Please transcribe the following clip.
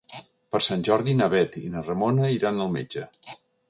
Per Sant Jordi na Bet i na Ramona iran al metge.